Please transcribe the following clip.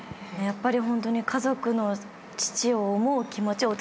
やっぱりホントに家族の父を思う気持ち。